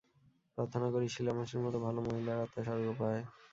প্রার্থনা করি শিলা মাসির মতো ভালো মহিলার আত্মা স্বর্গ পায়।